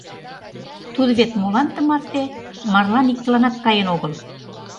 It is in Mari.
Тудо вет молан тымарте марлан иктыланат каен огыл?